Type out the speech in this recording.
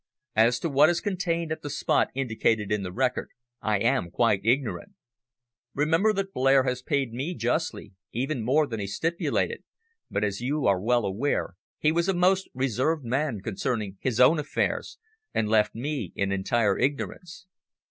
"As to what is contained at the spot indicated in the record, I am quite ignorant. Remember that Blair has paid me justly, even more than he stipulated, but as you are well aware he was a most reserved man concerning his own affairs, and left me in entire ignorance."